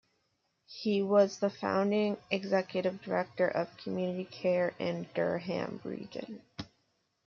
He was the founding executive director of community care in Durham Region.